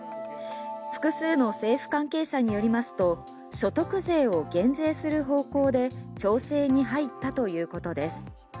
複数の政府関係者によりますと所得税を減税する方向で調整に入ったということです。